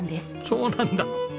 そうなんだ。